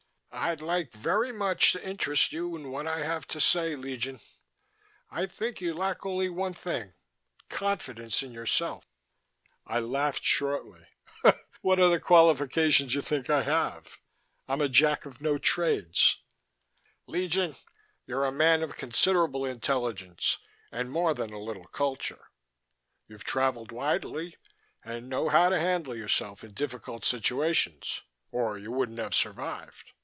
"I'd like very much to interest you in what I have to say, Legion. I think you lack only one thing confidence in yourself." I laughed shortly. "What are the qualifications you think I have? I'm a jack of no trades " "Legion, you're a man of considerable intelligence and more than a little culture; you've travelled widely and know how to handle yourself in difficult situations or you wouldn't have survived.